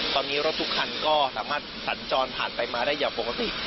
ตอนนี้รถทุกคันก็สามารถสัญจรผ่านไปมาได้อย่างปกติ